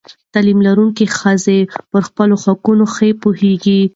تعلیم لرونکې ښځې پر خپلو حقونو ښه پوهېږي.